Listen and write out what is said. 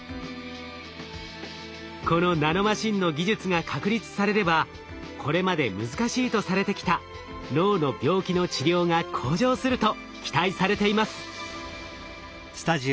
このナノマシンの技術が確立されればこれまで難しいとされてきた脳の病気の治療が向上すると期待されています。